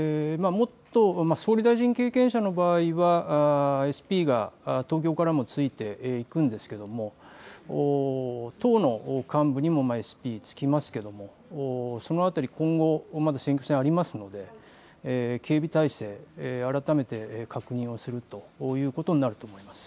総理大臣経験者の場合はＳＰが東京からもついていくんですけれども党の幹部にもＳＰ、つきますけれどもその辺り、今後、まだ選挙戦ありますので警備体制、改めて確認をするということになると思います。